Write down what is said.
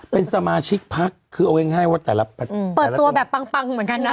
เป็นสมาชิกพักคือเอาง่ายว่าแต่ละประเทศเปิดตัวแบบปังปังเหมือนกันนะ